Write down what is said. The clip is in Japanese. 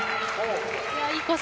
いいコース